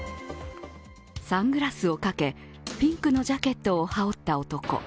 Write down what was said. サングラスをかけ、ピンクのジャケットを羽織った男。